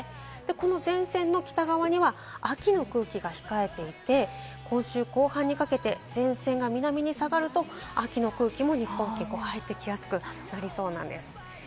この前線の北側には秋の空気が控えていて、今週後半にかけて前線が南に下がると、秋の空気も日本付近に入ってきやすくなりそうです。